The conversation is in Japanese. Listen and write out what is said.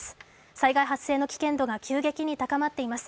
災害発生の危険度が急激に高まっています。